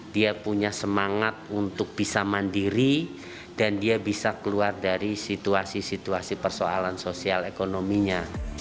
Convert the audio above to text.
dia punya semangat untuk bisa mandiri dan dia bisa keluar dari situasi situasi persoalan sosial ekonominya